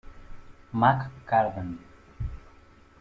Mag Garden